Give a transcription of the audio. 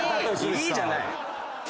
いいじゃない。